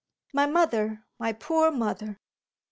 "My mother, my poor mother."